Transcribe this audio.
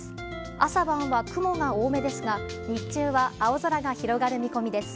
朝晩は雲が多めですが日中は青空が広がる見込みです。